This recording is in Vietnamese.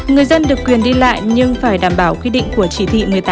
người dân được quyền đi lại nhưng phải đảm bảo quy định của chỉ thị một mươi tám